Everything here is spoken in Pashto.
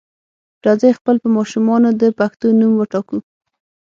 راځئ خپل په ماشومانو د پښتو نوم وټاکو.